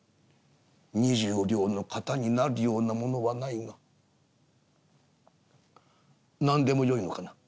「二十両のかたになるようなものはないが何でもよいのかな？